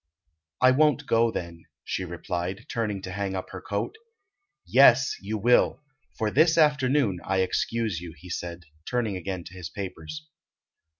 "I won't go, then," she replied, turning to hang up her coat. "Yes, you will. For this afternoon I excuse you," he said, turning again to his papers.